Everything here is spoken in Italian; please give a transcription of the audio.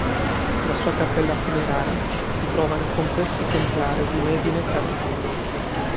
La sua cappella funeraria si trova nel complesso templare di Medinet Habu.